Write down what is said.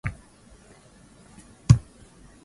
unahitaji kujiuliza kwanini unahitaji kutengeneza kitu fulani